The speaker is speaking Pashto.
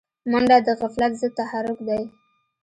منډه د غفلت ضد تحرک دی